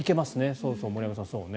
そうそう、森山さん、そうね。